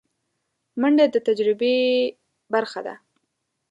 منډه د تجربې برخه ده